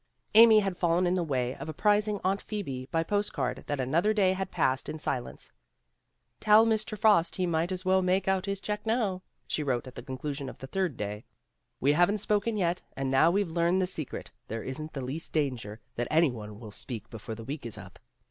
Amy had fallen in the way of ap prising Aunt Phoebe by post card that another day had been passed in silence. "Tell Mr. Frost he might as well make out his check now," she wrote at the conclusion of the third THE LONGEST WEEK ON RECORD 121 day. "We haven't spoken yet, and now we've learned the secret, there isn't the least danger that any one will speak before the week is up."